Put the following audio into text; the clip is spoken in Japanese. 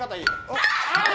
あっ！